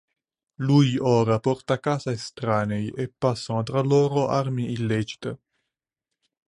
Lui ora porta a casa estranei e passano tra loro armi illecite.